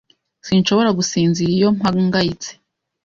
Sinshobora gusinzira iyo mpangayitse.